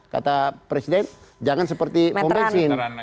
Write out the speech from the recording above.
kata presiden jangan seperti pembeksin